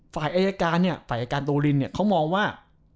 ฝ่ายอายการเนี่ยฝ่ายอายการโตรินเนี่ยเขามองว่า